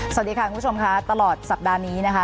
สวัสดีค่ะคุณผู้ชมค่ะตลอดสัปดาห์นี้นะคะ